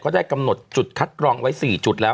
ได้กำหนดจุดคัดกรองไว้๔จุดแล้ว